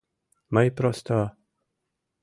Мый просто...